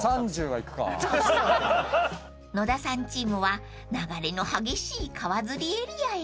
［野田さんチームは流れの激しい川釣りエリアへ］